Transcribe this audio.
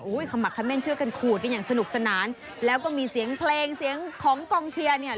ขมักคำเต้นช่วยกันขูดกันอย่างสนุกสนานแล้วก็มีเสียงเพลงเสียงของกองเชียร์เนี่ย